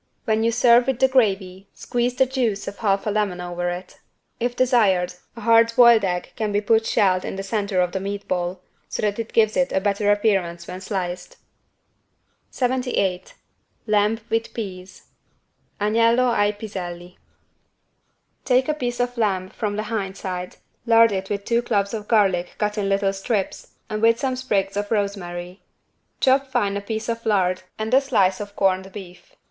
When you serve with the gravy squeeze the juice of half a lemon over it. If desired a hard boiled egg can be put shelled in the center of the meat ball, so that it gives it a better appearance when sliced. 78 LAMB WITH PEAS (Agnello ai piselli) Take a piece of lamb from the hind side, lard it with two cloves of garlic cut in little strips and with some sprigs of rosemary. Chop fine a piece of lard and a slice of corned beef.